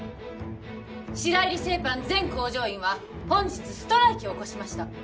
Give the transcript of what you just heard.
白百合製パン全工場員は本日ストライキを起こしました